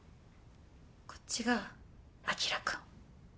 こっちが晶くん。